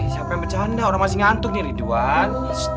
siapa yang bercanda orang masih ngantuk nih ridwan